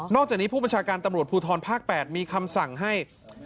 จากนี้ผู้บัญชาการตำรวจภูทรภาค๘มีคำสั่งให้